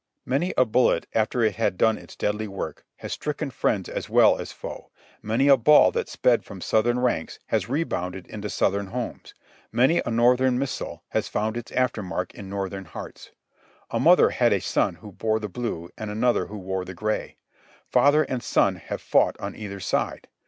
Many a bullet after it has done its deadly work has stricken friends as well as foe ; many a ball that sped from Southern ranks has rebounded into Southern homes; many a Northern missile has found its after mark in Northern hearts. A mother had a son who wore the blue and another who wore the gray. Father and son have fought on either side.